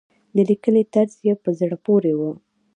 د لیکنې طرز يې په زړه پورې وي.